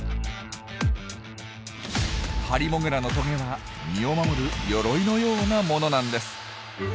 ハリモグラのトゲは身を守る鎧のようなものなんです。